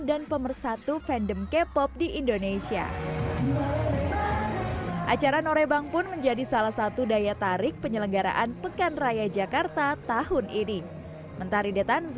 acara norebang pun menjadi salah satu daya tarik penyelenggaraan pekan raya jakarta tahun ini